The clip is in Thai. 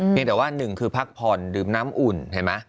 ยังแต่ว่าหนึ่งคือพักผ่อนดื่มน้ำอุ่นเห็นไหม